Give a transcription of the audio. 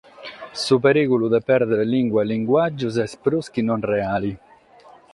Su perìgulu de pèrdere limba e limbàgios est prus chi non reale.